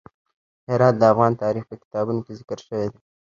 هرات د افغان تاریخ په کتابونو کې ذکر شوی دی.